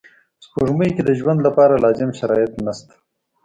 سپوږمۍ کې د ژوند لپاره لازم شرایط نشته